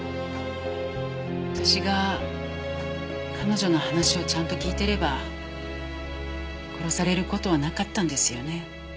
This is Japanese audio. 私が彼女の話をちゃんと聞いていれば殺される事はなかったんですよね。